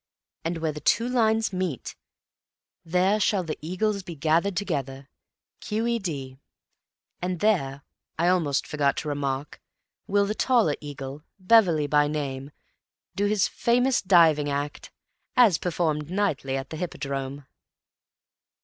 And where the two lines meet, there shall the eagles be gathered together. Q.E.D. And there, I almost forgot to remark, will the taller eagle, Beverley by name, do his famous diving act. As performed nightly at the Hippodrome."